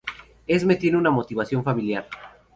Esme tiene una motivación familiar.